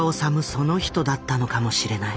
その人だったのかもしれない。